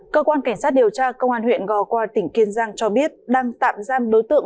cơ quan cảnh sát điều tra công an huyện gò qua tỉnh kiên giang cho biết đang tạm giam đối tượng